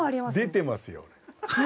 出てますよ俺。